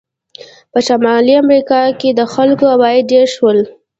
په شمالي امریکا کې د خلکو عواید ډېر شول.